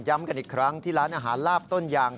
กันอีกครั้งที่ร้านอาหารลาบต้นยาง